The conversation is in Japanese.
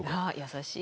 優しい。